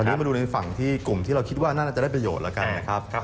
อันนี้มาดูในฝั่งที่กลุ่มที่เราคิดว่าน่าจะได้ประโยชน์แล้วกันนะครับ